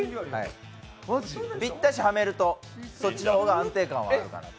ぴったしはめると、そっちの方が安定感はあるかなと。